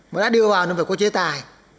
mà đã đưa vào nó phải có chế tài